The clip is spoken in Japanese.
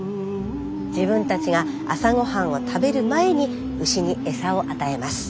自分たちが朝ごはんを食べる前に牛に餌を与えます。